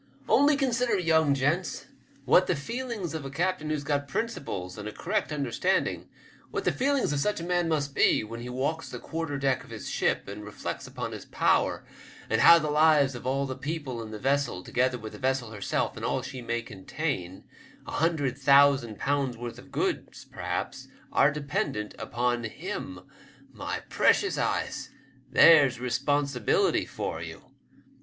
'*Only coneider, young gents, what the feelings of a captain who's got principles and a correct understand ing, what the feelings of such a man must be when he walks the quarter deck of his ship, and reflects upon his power, and how the lives of all the people in the vessel, together with the vessel herself and all she may contain — a hundred thousand pounds' worth of goods, perhaps — are dependent upon him. My precious eyes ! there's responsibility for you.